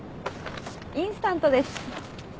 インスタントです。